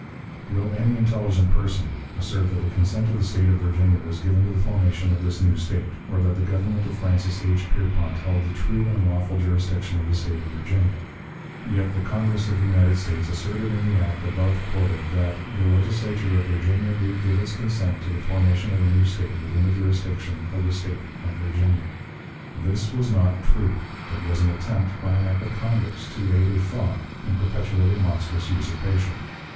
Will any intelligent person assert that the consent of the State of Virginia was given to the formation of this new State, or that the government of Francis H. Pierpont held the true and lawful jurisdiction of the State of Virginia? Yet the Congress of the United States asserted in the act above quoted that "the Legislature of Virginia did give its consent to the formation of a new State within the jurisdiction of the State of Virginia." This was not true, but was an attempt, by an act of Congress, to aid a fraud and perpetuate a monstrous usurpation.